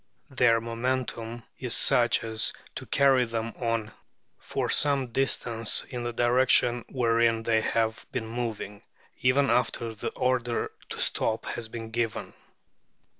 Their momentum is such as to carry them on for some distance in the direction wherein they have been moving, even after the order to stop has been given.